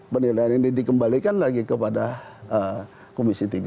penilaian ini dikembalikan lagi kepada komisi tiga